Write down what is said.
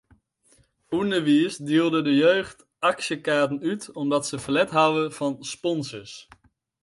Underweis dielde de jeugd aksjekaarten út omdat se ferlet hawwe fan sponsors.